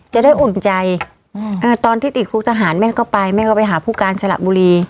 จะได้อุ่นใจตอนที่ติดคุกทหารแม่ก็ไปแม่ก็ไปหาผู้การสละบุรี